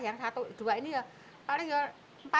yang satu dua ini ya paling empat liter gak salah mbak